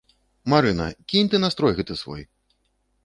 Марына, кінь ты настрой гэты свой.